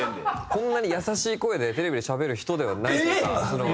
こんなに優しい声でテレビでしゃべる人ではないというか。